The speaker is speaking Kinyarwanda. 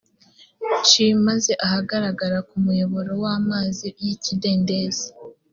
nshi maze ahagarara ku muyoboro a w amazi y ikidendezi